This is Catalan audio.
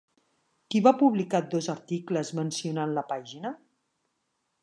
Qui va publicar dos articles mencionant la pàgina?